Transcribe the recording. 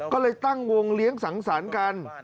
ก็เลยตั้งวงเลี้ยงสังสรรค์กัน